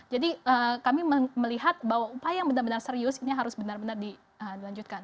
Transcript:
jadi kami melihat bahwa upaya yang benar benar serius ini harus benar benar dilanjutkan